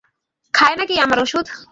খায় নাকি আমার ওষুধ?